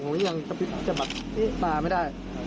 ผมยังกระพริบจะบัดตาไม่ได้